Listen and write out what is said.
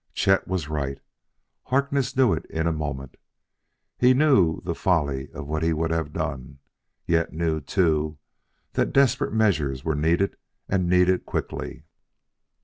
Chet was right: Harkness knew it in a moment. He knew the folly of what he would have done, yet knew, too, that desperate measures were needed and needed quickly.